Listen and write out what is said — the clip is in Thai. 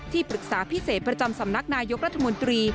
ปรึกษาพิเศษประจำสำนักนายกรัฐมนตรี